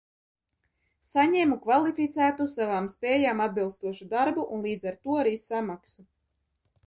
Saņēmu kvalificētu, savām spējām atbilstošu darbu un līdz ar to arī samaksu.